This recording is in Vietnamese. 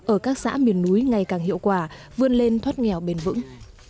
ở các xã miền núi ngày càng hiệu quả vươn lên thoát nghèo bền vững